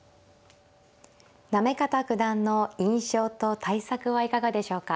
行方九段の印象と対策はいかがでしょうか。